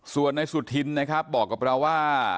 ส่วนนายสุธินนะครับบอกกับเราว่า